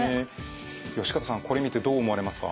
善方さんこれ見てどう思われますか？